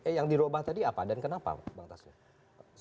eh yang dirubah tadi apa dan kenapa bang taslim